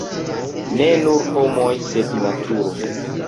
ne nur homoj sed naturo